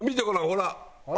ほら！